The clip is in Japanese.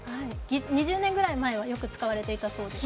２０年ぐらい前はよく使われていたそうです。